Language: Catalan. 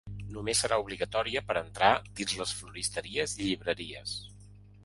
Només serà obligatòria per a entrar dins les floristeries i llibreries.